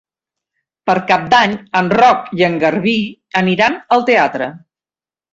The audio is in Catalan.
Per Cap d'Any en Roc i en Garbí aniran al teatre.